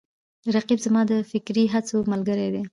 رقیب زما د فکري هڅو ملګری دی